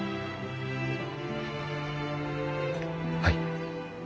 はい。